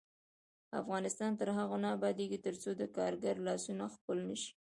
افغانستان تر هغو نه ابادیږي، ترڅو د کارګر لاسونه ښکل نشي.